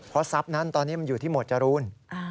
เพราะทรัพย์นั้นตอนนี้มันอยู่ที่หมวดจรูน